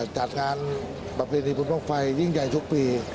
จัดงานประเพณีบุญบ้างไฟยิ่งใหญ่ทุกปี